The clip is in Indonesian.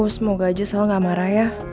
semoga aja selalu gak marah ya